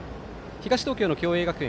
東東京の共栄学園